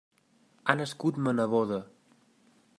Ha nascut ma neboda.